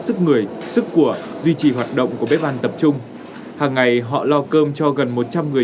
sức người sức của duy trì hoạt động của bếp ăn tập trung hàng ngày họ lo cơm cho gần một trăm linh người